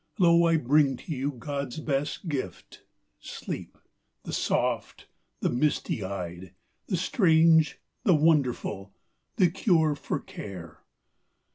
Lo, I bring to you God's best gift, sleep! the soft, the misty eyed; The strange, the wonderful! the cure for care!"